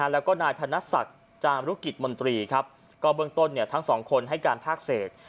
แล้วก็นายธนศักดิ์จามรุกิจมนตรีครับก็เบื้องต้นทั้งสองคนให้การภาคเศษ